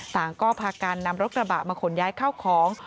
ต่างก็พากันนำรถกระบะมาขนย้ายข้าวของ